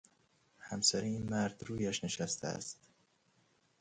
همسر این مرد رویش نشسته است.